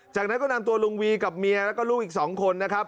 จากนั้นก็นำตัวลุงวีกับเมียแล้วก็ลูกอีก๒คนนะครับ